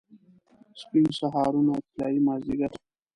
سپین سهارونه، طلايي مازدیګر